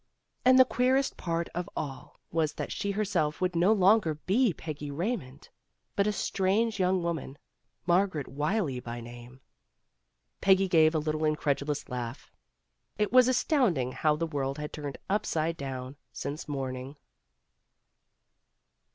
And the queerest part of all was that she herself would no longer be Peggy Raymond, but a strange young woman, Margaret Wylie by name. Peggy gave a little incredulous laugh. It was astonishing how the world had turned upside down since morning.